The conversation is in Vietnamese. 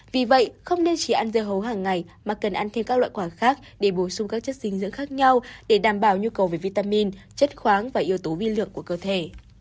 vì vậy không nên chỉ ăn dưa hấu hàng ngày mà cần ăn thêm các loại quả khác để bổ sung các chất dinh dưỡng khác nhau để đảm bảo nhu cầu về vitamin chất khoáng và yếu tố vi lượng của cơ thể